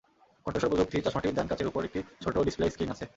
কণ্ঠস্বর প্রযুক্তি চশমাটির ডান কাচের ওপর একটি ছোট ডিসপ্লে স্ক্রিন আছে।